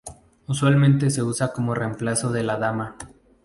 Usualmente se usa como reemplazo de la Dama.